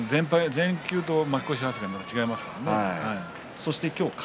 全休と負け越し扱いは違いますからね。